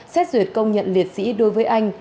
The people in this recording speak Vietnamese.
xét duyệt công nhận liệt sĩ đối với anh